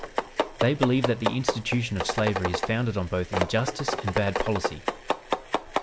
"They believe that the institution of slavery is founded on both injustice and bad policy.